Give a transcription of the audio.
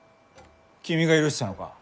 君が許したのか？